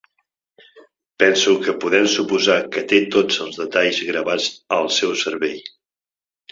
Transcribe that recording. Penso que podem suposar que té tots els detalls gravats al seu cervell.